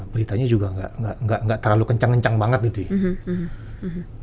beritanya juga nggak terlalu kencang kencang banget gitu ya